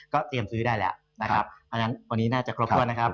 เตรียมซื้อได้แล้วนะครับอันนั้นวันนี้น่าจะครบถ้วนนะครับ